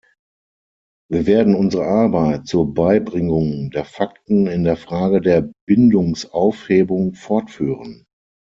Wir werden unsere Arbeit zur Beibringung der Fakten in der Frage der Bindungsaufhebung fortführen.